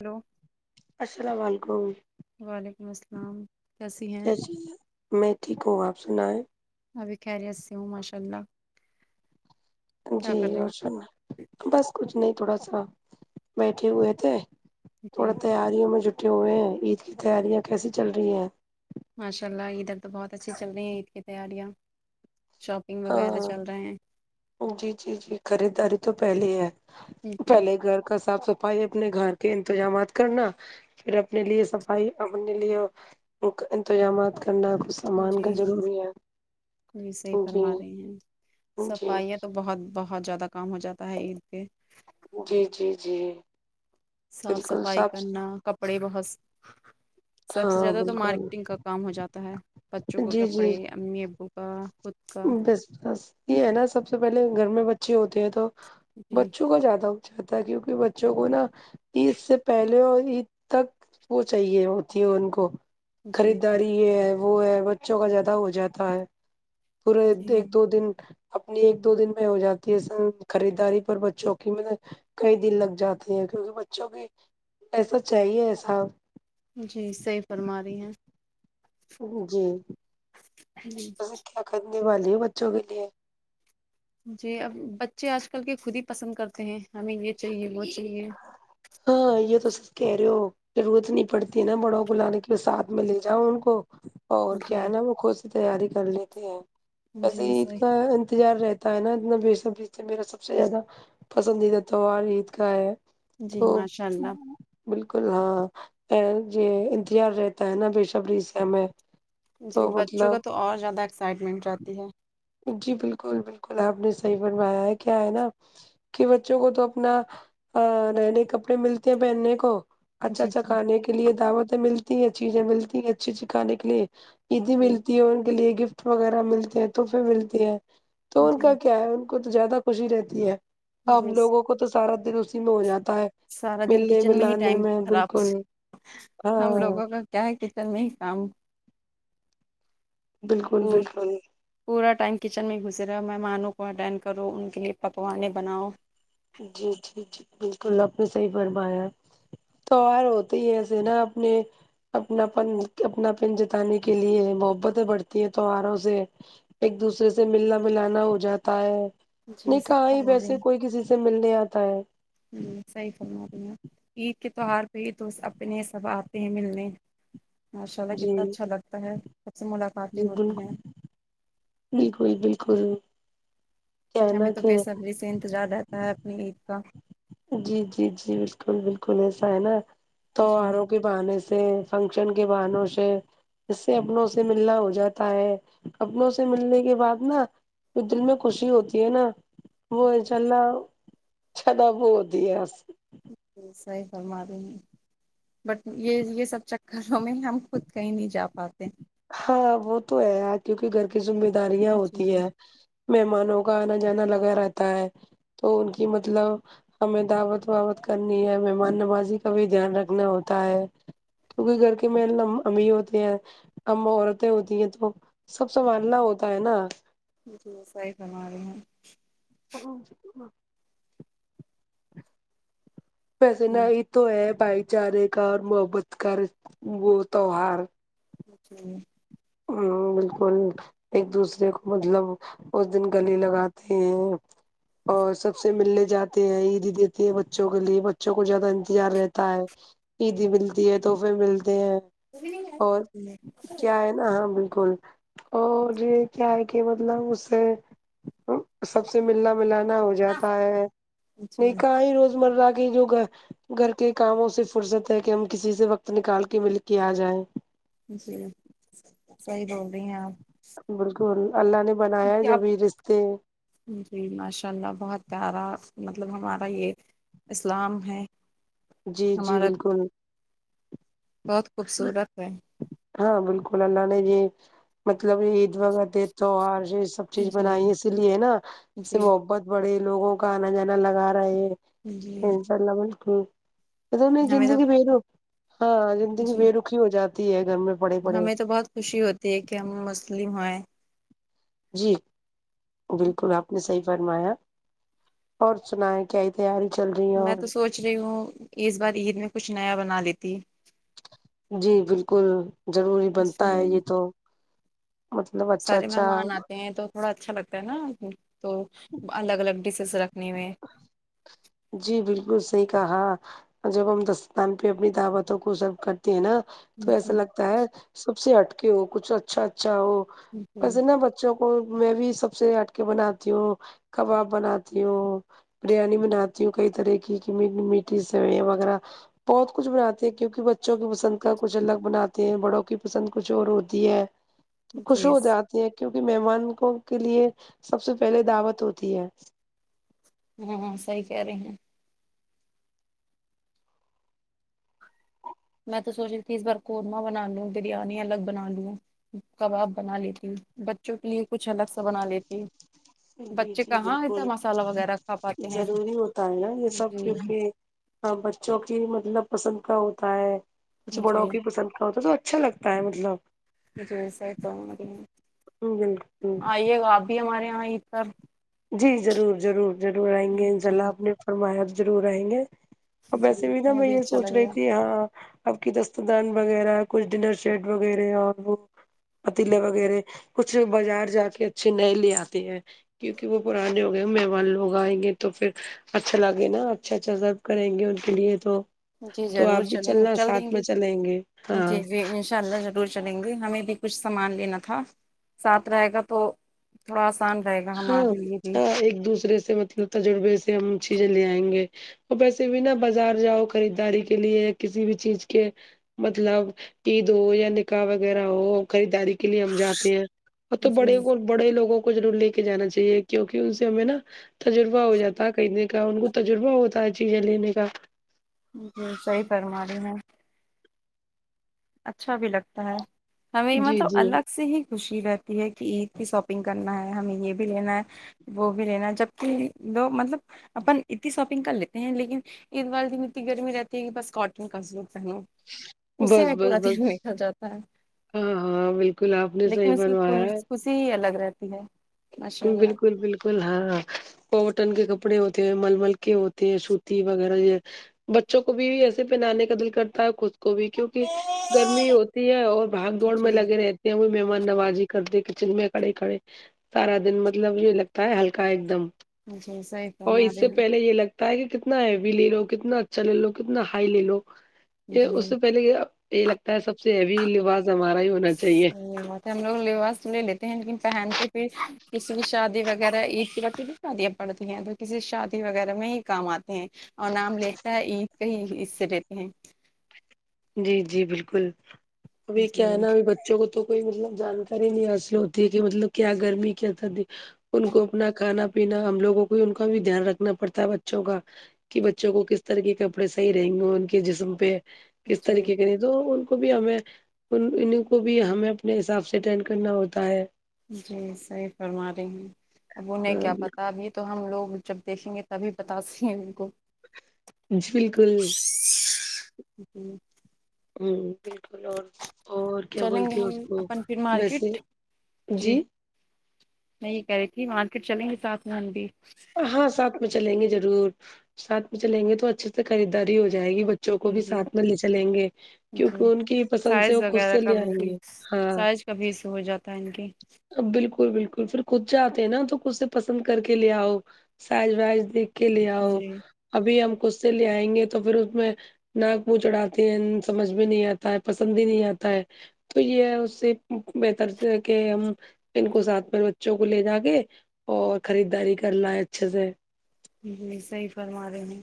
hello السلام علیکم وعلیکم السلام کیسی ہیں میں ٹھیک ہوں آپ سنائے ابھی خیریت سے ہوں ماشاء اللہ کیا جی کر رہے اور ہیں سنا بس کچھ نہیں تھوڑا سا بیٹھے ہوئے تھے تھوڑا جی تیاریوں میں جٹے ہوئے ہیں عید کی تیاریاں کیسی چل رہی ہیں ماشاء اللہ ادھر تو بہت اچھی چل رہی ہیں عید کی تیاریاں شاپنگ وغیرہ ہاں چل رہے ہیں جی جی جی خریداری تو پہلے ہی ہے ہیں جی پہلے گھر کا صاف ست پائی اپنے گھر کے انتظامات کرنا پھر اپنے لیے صفائی اپنے لیے انتظامات کرنا کچ جی جی صحی جی فرما رہے ہیں جی صفائیاں تو بہت بہت بہت زیادہ کام ہو جاتا ہے عید پ جی جی جی صاف صفائی کرنا کپڑے بہت سب سے ہاں زیادہ تو بالکل مارکیٹنگ کا کام ہو جاتا ہے بچوں کو جی جی کپڑے امی ابو کا خود کا بس بس یہ ہے نا سب سے پہلے گھر میں بچے ہوتے ہیں تو جی بچوں کو زیادہ اچھا کیونکہ بچوں کو نا عید سے پہلے اور عید تک وہ چاہیے ہوتی ہے ان کو جی خریداری ہے وہ ہے بچوں کا زیادہ ہو جاتا ہے پورے جی ایک دو دن اپنی ایک دو دن میں ہو جاتی ہے س خریداری پر بوں کی میں کئی دن لگ جاتے ہیں کیونکہ بچوں کی ایسا چاہیے ایسا جی صحیح فرما رہی ہیں جی ہی بس کیا کرنے والی ہو ہیں بچوں کے لیے جی اب بچے آج کل کے خود ہی پسند کرتے ہیں ہمیں یہ چاہیے وہ چاہیے تو یہ تو سچ کہہ رہے ہو ضرورت نہیں پڑتی ہے نا بڑوں کو لانے کے ساتھ میں لے جاؤں ان کو اور کیا ہے جی نا وہ خود سی تیاری کر لیتے ہیں وسے جی عید صحیح کا انتظار رہتا نا اتنا ب سبری سے میرا سب سے زیادہ پسندیدہ تہوار عید کا ہے جی تو ماشاء اللہ بالکل ہاں یہ انتظار رہتا ہے نا ب سبری سے ہمیں جی تو بچوں مطلب کا تو اور زیادہ ایکسائٹمنٹ رہتی ہے جی بالکل بالکل آپ نے صحیح بنوایا ہے کیا ہے نا کہ بچوں کو تو اپنا نئے نئے کپڑے ملتے ہیں پہننے کو اچھا جی اچھا جی کانے کے لیے دعوتیں ملتی ہیں چیزیں ملتی ہیں اچھی اچ کانے کے لیے عیدی جی ملتی ہے ان کے لیے گفٹ وغیرہ ملتے ہیں تحفے ملتے ہیں تو ان جی کا کیا ہے کو تو زیادہ خوشی رہتی ہے ہم جی لوگوں کو تو سارا دن اسی میں ہو جاتا ہے سارا دن ملنے کچن میں ہی ملانے ٹائم میں خراب بالکل ہم ہاں لوگوں کا کیا ہے کے کچن میں ہی کام بالکل پور بالکل پورا ٹائم کچن میں گھسے رہا مہمانوں کو اٹینڈ کرو ان کے لیے پکوانے بناؤ جی جی جی بالکل اپ نے صحیح فرمایا تو اور ہوتے ہی ہے سنا اپ نے اپنا پن اپنا پن جتانے کے لیے محبتیں بڑھتی ہیں تواروں سے ایک دوسرے سے ملنا ملانا ہو جاتا ہے نہ جی صحیح کہا ہی فرما رہے ویسے کوئی کسی سے ملنے اتا ہے ہمم صحیح فرما رہی ہے اپ عید کے توہار پہ ہی تو اپنے سب اتے ہیں ملنے ماشاء اللہ جی کتنا اچھا لگتا ہے سب سے ملاقاتیں جی ہوتی بالکل ہیں بالکل بالکل کیا ہے ہمیں نا تو کہ بے صبری سے انتظار رہتا ہے اپنی عید کا جی جی جی بالکل بالکل ایسا ہے نا تو جی ہارو کے بہانے سے فنکشن کے بہانوں سے اس سے اپنوں سے ملنا ہو جاتا ہے اپنوں سے ملنے کے بعد نا جو دل میں خوشی ہوتی ہے نا وہ انشاء اللہ ہوتی ہے اس جی صحیح فرمائے رہی ہے بٹ یہ یہ سب چکروں میں ہم خود کہیں نہیں جا پاتے ہاں وہ تو ہے کیوکہ گھر کی ذمہ داریاں جی ہوتی ہے مہمانوں کا انا جانا لگا رہتا ہے تو ان کی مطلب ہمیں دعوت وعوت کرنی ہے مہمان نوازی کا بھی دھیان رکھنا ہوتا ہے کیوکہ گھر کے مین امیھی ہوتے ہیں ہم عورتیں ہوتی ہیں تو سب سنبھالنا ہوتا ہے نا جی جی صحیح فرما رہی ہیں [unintelligible] پیس نہ جی ہی تو ہے بھائی چارے کا اور محبت کا وہ تیوہار جی ہم بالکل ایک دوسرے کو مطلب اس دن گلے لگاتے ہیں اور سب سے ملنے جاتے ہیں عید دیتے ہے بچوں کے لیے بچوں کو زیادہ انتظار رہتا ہے عیدی ملتی ہے تو پھر ملتے ہیں [unintelligible] ہا بالکل اور یہ کیا ہے کہ مطلب اس سے سب سے ملنا ملانا ہو جائے جاتا ہے نکاح ہی روزمرہ کی جو گہر گھر کے کاموں سے فرصت ہے کہ ہم کسی سے وقت نکال کے مل کے ا جائیں جی صحیح بول رہی ہیں اپ بالکل اللہ نے بنایا ہے کیا آپ جبھی رشتے جی ماشاء اللہ بہت پیارا مطلب ہمارا یہ اسلام ہے جی جی ہمارا بالکل بہت خوبصورت ہے ہاں بالکل اللہ نے جی مطلب عید وہ تہوار یہ سب چیز جی بنائی ہے اسی لیے نا اس سے جی محبت بڑھے لوگوں کا انا جانا لگا رہے جی تلمن کی ہمیں تو زندگی بے رخ ہاں زندگی جی بے رکھی ہو جاتی ہے سمت ہمیں تو بہت خوشی ہوتی ہے کہ ہم مسلم ہیں جی بالکل اپ نے صحیح فرمایا اور سنا ہے کیائی تیاری چل رہی ہے میں اور تو سوچ رہی ہووں اس بار عید میں کچھ نیا بنا لیتی جی بالکل ضروری اس بنتا ہے میں یہ تو مطلب اچھا سارے اچھا مہمان آتے ہیں تو تھوڑا اچھا لگتا ہے نا تو الگ الگ ڈشس [unintelligible] جی بالکل صحیح کہاں جب ہم دستان پہ اپنی دعوتوں کو سرو کرتے ہیں نا تو ایسا جی لگتا ہے سب سے ہٹکے ہو کچھ اچھا اچھا ہو جی ویسے نا بچوں کو میں بھی سب سے ہٹک بناتی ہوں کباب بناتی ہوں بریانی بناتی ہوں کئی طرح کی میٹھی میٹھی سویاں وغیرہ بہت کچھ بناتے ہیں کیوںکہ بچوں کی پسند کا کچھ الگ بناتے ہیں بڑوں کی پسند کچھ اور ہوتی ہے خشک جی ہو جاتی ہے کیونکہ مہمان کو کے لیے سب سے پہلے دعوت ہوتی ہے ہا ہاں صحیح کھ رہی ہیں میں تو سوچ رہی تھی اس بار قورمہ بنا لوں بریانی الگ بنا لوں کباب بنا لیتی ہو بچوں کے لیے کچھ الگ سا بنا لیتی ہو جی جی بالکل وغیرہ کھا پاتے ہیں ضروری ہوتا ہے نا یہ سب جی کیونکہ ہاں بچوں کی مطلب پسند کا ہوتا ہے کچھ بڑوں جی کی پسند کا ہوتا ہے تو اچھا لگتا ہے مطلب مج وسے ہی تو بالکل آئیے گا آپ بھی ہمارے یہاں عید پر جی ضرور ضرور ضرور آئیں گے انشاء اچھا اللہ آپ نے فرمایا ضرور آئیں گے اور ویسے جی بھی نا وہ میں یہ اچھا سوچ لگے رہی گا تھی ہاں آپ کی دست دان وغیرہ کچھ ڈنر سیٹ وغیرہ اور وہ پتیلے وغیرہ کچھ بازار جا کے اچھے نئے لے آتے ہیں کیونکہ وہ پرانے ہو گئے مہمان لوگ آئیں گے تو پھر اچھا لگے نا اچھا اچھا سب کریں گے ان کے لیے تو جی تو آپ ضرور بھی چلیں گے چلنا چل ساتھ میں چلیں گے ہاں ان شاء اللہ ضرور چلیں گے ہمیں بھی کچھ سامان لینا تھا ساتھ رہے گا تو تھوڑا آسان رہے گا ہاں ہمارے لیے ہ بھی ایک دوسرے سے مطلب تجربے سے ہم چیزیں لے آئیں گے وہ ویسے بھی نا بازار جاؤ خریداری کے لیے کسی بھی چیز کے مطلب عید ہو یا نکاح وغیرہ ہو خریداری کے لیے ہم جاتے ہیں اور تو جی بڑے کو بڑے لووں کو ضرور لے کے جانا چاہیے کیونکہ ان سے ہمیں نا تجربہ ہو جاتا ہے خریدنے کا ان کو تجربہ ہوتا ہے چیزیں لینے کا جی صحیح فرماریے ہیں اچھا بھی لگتا ہے ہمیں جی مطلب جی الگ سے ہی خوشی رہتی ہے کہ عید کی شاپنگ کرنا ہے ہمیں یہ بھی لینا ہے وہ بھی لینا جبکہ لو مطلب اپن اتنی شاپنگ کر لیتے ہیں لیکن ایدوار دن اتنی گرمی رہتی ہے کہ بس کاٹن کا سوٹ پہنو اسی بس میں بس پورا دن بس نکل جاتا ہے ہاں ہاں بالکل آپ نے لیکن صحیح اس کی فرمایا کل ہے خوشی ہی الگ رہتی ہے ماشاء بالکل اللہ بالکل بالکل ہاں ہ کوٹن کے کپڑے ہوتے ہیں مل مل کے ہوتے ہیں سوتی وغیرہ یہ بچوں کو بھی ایسے پہنانے کا دل کرتا ہے خود کو بھی کیوںکہ گرمی ہوتی ہے اور بھاگ دوڑ میں جی لگے رہتے وہ مہمان نوازی کرتے کچن میں کھڑے کھڑے سارا دن مطلب یہ لگتا ہے ہلکا ایک دم جی صحیح اور فرما اس سے رہے پہلے یہ لگتا کہ کتنا ہیوی لے لو کتنا اچھا لے لو کتنا ہائی لے لو ہیں یہ جی اس سے پہلے یہی لگتا ہے سب سے ہیوی لباس ہمارا ہی ہونا چاہیے صحیح بات ہم لوگ لباس لے لیتے ہیں لیکن پہنتے پھر کسی بھی شادی وغیرہ عید کی شادں پڑتی ہیں تو کسی شادی وغیرہ میں ہی کام آتی اور نام لیتا ہے عید کا ہی حصے رہتے ہیں جی جی بالکل ابھی کیا ہے جی نا اب بچوں کو تو کوئی مطلب جانکاری نہیں حاصل ہوتی ہے کہ مطلب کیا گرمی کیا سردی ان کو اپنا کھانا پینا ہم لوگوں کو ان کا بھی دھیان رکھنا پڑتا ہے بچوں کا کہ بچوں کو کس طرح کے کپڑے صحیح رہیں گے ان کے جسم پہ کس جی طریقے کے تو ان کو بھی ہمیں ان ان کو بھی ہمیں اپنے حساب سے اٹینڈ کرنا ہوتا ہے جی صحیح فرما رہی ہیں اب انہیں کیا جی پتا بھی تو ہم لوگ جب دیکھیں گے تبھی بتا سک ہیں ان کو جی بالکل جی ہوں بالکل اور اور کیا چلیں گے بولتی ہے ہم اس کو اپن پھر ویسے مارکیٹ جی میں یہ کھرہی تھی مارکیٹ چلیں گی سات میں ہم بھی ہاں ساتھ میں چلیں گے ضرور ساتھ میں چلیں گے تو اچھے سے خریداری ہو جائے گی بچوں کو جی بھی جی ساتھ میں لے چلیں گے کیونکہ جی ان کی پسند سے سائز وہ خود سے لے آئیں گے ہاں کبھی سو جاتا ہے ان کے ا بالکل بالکل پھر خود جاتے ہیں نا تو خود سے پسند کر کے لے آؤ سائز وائز دیکھ کے لے آؤ جی ابھی ہم خود سے لے آئیں گے تو پھر اس میں ناک منہ چڑھاتے ہیں سمجھ بھی نہیں آتا ہے پسند بھی نہیں آتا ہے تو یہ ہے اس سے بہتر سے کہ ہم ان کو ساتھ میں بچوں کو لے جا کے اور خریدداری کر لائے اچھے سے جی صحیح فرما رہے ہیں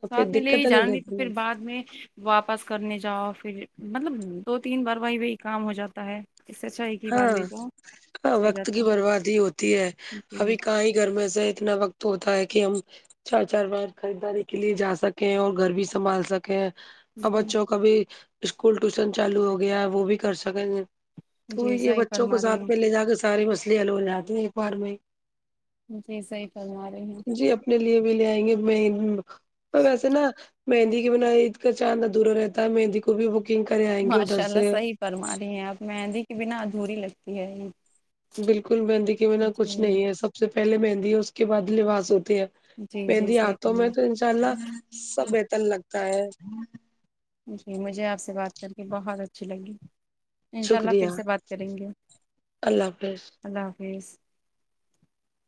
اور پھر ساتھ میں لے ہی دقتیں جانا نہیں تو رہتی نا پھر بعد میں واپس کرنے جاؤ پھر مطلب دو تین بار وہی وہی کام ہو جاتا ہے اسے اچھا ایک ہی بار لے جاؤ ہاں صحیح وقت رہتا کی بربادی ہوتی ہے ابھی کہ ہی گھر میں سے اتنا وقت تو ہوتا ہے کہ ہم چار چار بار خریداری کے لیے جا سکے ہیں اور گھر بھی سنبھال سکے ہیں اور جی بچوں کا بھی اسکول ٹیوشن چالو ہو گیا ہے وہ بھی کر سکیں گے تو جی یہ صحیح بچوں کو فرما رہی ساتھ میں لے جا کے سارے مصلے حل ہو جاتے ہیں ایک بار میں جی صحیح فرما رہی ہوں جی اپنے لیے بھی لے آئیں گے میں اور ویسے نا مہندی کی بنا عید کا چاند ادھورا رہتا ہے مہندی کو بھی بکنگ کرے آئیں گے ادھر ماشاء اللہ سے صحیح فرما رہی ہیں آپ مہندی کے بنا ادھوری لگتی ہے عید بالکل مہندی کے بنا کچھ نہیں ہے سب سے پہلے مہندی ہے اس کے بعد لباس ہوتی ہے جی جی مہندی صحیح ہاتھوں میں ہے فرمایا تو انشاء اللہ سب بہتر لگتا ہے جی مجھے آپ سے بات کر کے بہت اچھی لگی انشاء اللہ شکریہ پھر سے بات کریں گے اللہ حافظ اللہ حافظ